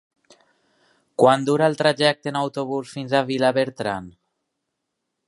Quant dura el trajecte en autobús fins a Vilabertran?